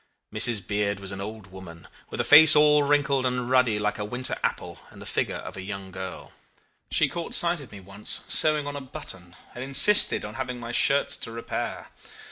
Mrs. Beard was an old woman, with a face all wrinkled and ruddy like a winter apple, and the figure of a young girl. She caught sight of me once, sewing on a button, and insisted on having my shirts to repair.